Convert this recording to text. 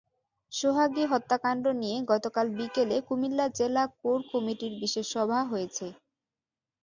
সোহাগী হত্যাকাণ্ড নিয়ে গতকাল বিকেলে কুমিল্লা জেলা কোর কমিটির বিশেষ সভা হয়েছে।